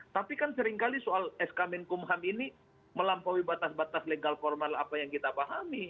tapi kan seringkali soal sk menkumham ini melampaui batas batas legal formal apa yang kita pahami